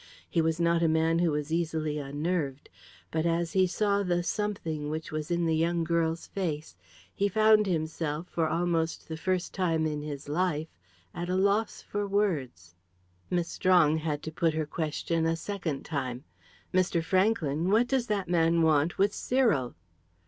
He was not a man who was easily unnerved, but as he saw the something which was in the young girl's face, he found himself, for almost the first time in his life, at a loss for words. Miss Strong had to put her question a second time. "Mr. Franklyn, what does that man want with Cyril?"